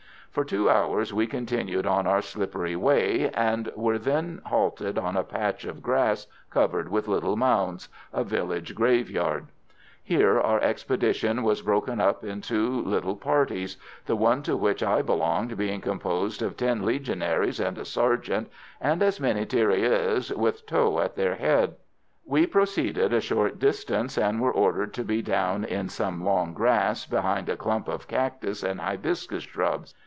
For two hours we continued on our slippery way, and were then halted on a patch of grass covered with little mounds a village graveyard. Here our expedition was broken up into little parties, the one to which I belonged being composed of ten Legionaries and a sergeant, and as many tirailleurs, with Tho at their head. We proceeded a short distance, and were ordered to be down in some long grass, behind a clump of cactus and hibiscus shrubs.